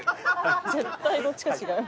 絶対どっちか違う。